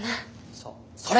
そっそれ！